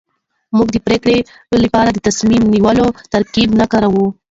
موږ د پرېکړې لپاره د تصميم نيولو ترکيب نه کاروو.